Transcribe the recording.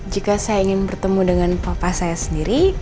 jika saya ingin bertemu dengan papa saya sendiri